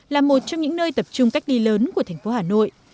là một trong những nơi tập trung cách ly lớn của thành phố hà nội